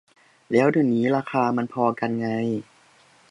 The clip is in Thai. แล้วเดี๋ยวนี้ราคามันพอกันไง